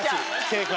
正解。